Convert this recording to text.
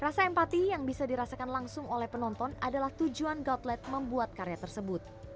rasa empati yang bisa dirasakan langsung oleh penonton adalah tujuan outlet membuat karya tersebut